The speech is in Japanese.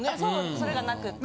それがなくって。